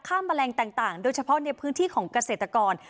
แมลงต่างโดยเฉพาะในพื้นที่ของเกษตรกร